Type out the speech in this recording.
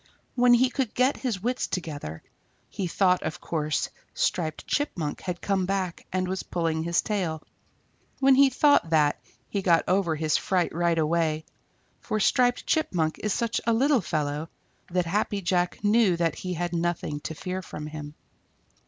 When he could get his wits together, he thought of course Striped Chipmunk had come back and was pulling his tail. When he thought that, he got over his fright right away, for Striped Chipmunk is such a little fellow that Happy Jack knew that he had nothing; to fear from him.